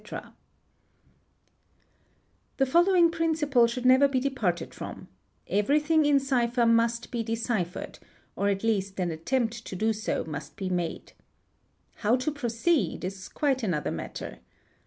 | The following principle should never be departed from ;—everything in cipher must be deciphered, or at least an attempt to do so must be made. How to proceed ? is quite another matter.